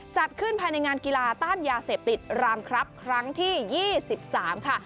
จัดขึ้นภายในงานกีฬาต้านยาเสพติดรามครับครั้งที่๒๓ค่ะ